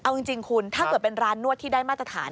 เอาจริงคุณถ้าเกิดเป็นร้านนวดที่ได้มาตรฐาน